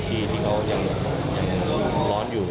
ที่เขายังร้อนอยู่